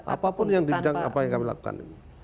apapun yang di bidang apa yang kami lakukan